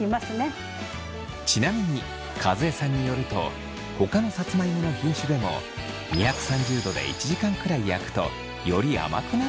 ちなみに和江さんによるとほかのさつまいもの品種でも２３０度で１時間くらい焼くとより甘くなるそう。